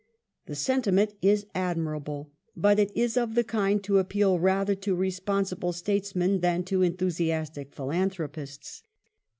The sentiment is admir able, but it is of the kind to appeal rather to responsible states men than to enthusiastic philanthropists.